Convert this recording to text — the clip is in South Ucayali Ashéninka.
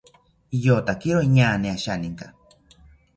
Iyotakiro inaañe asheninka